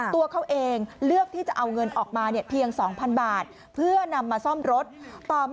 ตัวเขาเองเลือกที่จะเอาเงินออกมาเนี่ยเพียง๒๐๐๐บาท